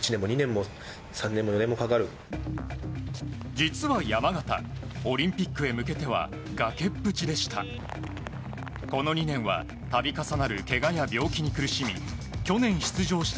実は、山縣オリンピックへ向けては崖っぷちでした。